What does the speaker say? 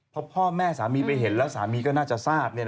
พอพ่อแม่สามีไปเห็นแล้วสามีก็น่าจะทราบ